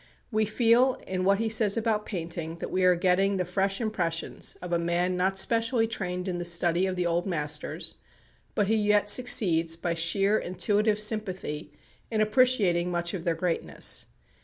We feel, in what he says about painting, that we are getting the fresh impressions of a man not specially trained in the study of the old masters, but who yet succeeds, by sheer intuitive sympathy; in appreciating much of their greatness.